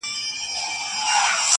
o ټمبه ته يو گوز هم غنيمت دئ!